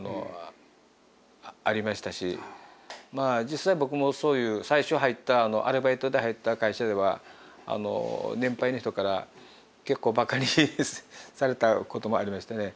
実際僕もそういう最初入ったアルバイトで入った会社では年配の人から結構馬鹿にされたこともありましたね。